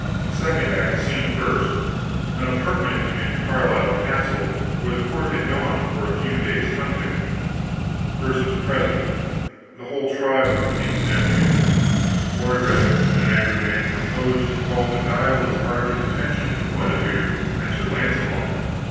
Act second, scene first, an apartment in Carlisle castle, where the court had gone for a few days' hunting. Persons present, the whole tribe of the king's nephews. Mordred and Agravaine propose to call the guileless Arthur's attention to Guenever and Sir Launcelot.